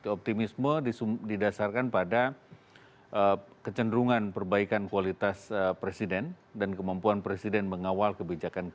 optimisme didasarkan pada kecenderungan perbaikan kualitas presiden dan kemampuan presiden mengawal kebijakan